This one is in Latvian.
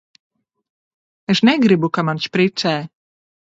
Es negribu, ka man špricē!